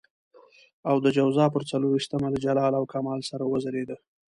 او د جوزا پر څلور وېشتمه له جلال او کمال سره وځلېده.